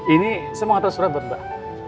ini saya mau ngatur surat buat mbak